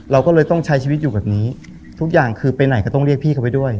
เราก็เลยต้องใช้ชีวิตอยู่แบบนี้ทุกอย่างคือไปไหนก็ต้องเรียกพี่เขาไปด้วย